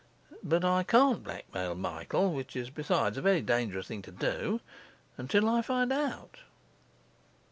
But I can't blackmail Michael (which is, besides, a very dangerous thing to do) until I find out.